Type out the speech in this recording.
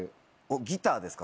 ギターですか？